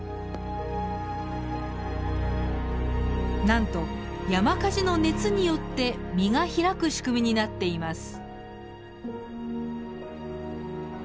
なんと山火事の熱によって実が開く仕組みになっています。